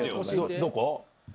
どこ？